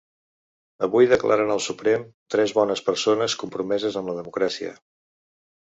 Avui declaren al Suprem tres bones persones, compromeses amb la democràcia.